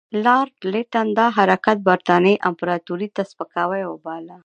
لارډ لیټن دا حرکت برټانیې امپراطوري ته سپکاوی وباله.